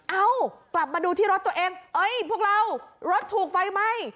เอ้ากลับมาดูที่รถตัวเองเอ้ยพวกเรารถถูกไฟไหม้